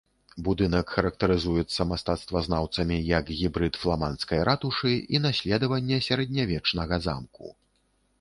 Будынак характарызуецца мастацтвазнаўцамі як гібрыд фламандскай ратушы і наследавання сярэднявечнага замку.